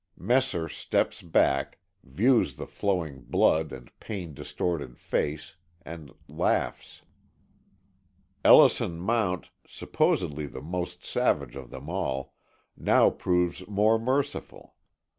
Messer steps back, views the flowing blood and pain distorted face and laughs. Ellison Mount, supposedly the most savage of them all, now proves more merciful.